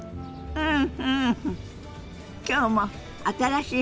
うん！